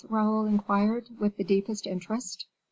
Raoul inquired, with the deepest interest.